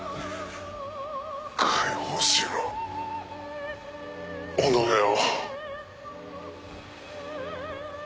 解放しろ己を。